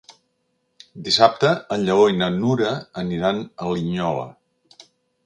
Dissabte en Lleó i na Nura aniran a Linyola.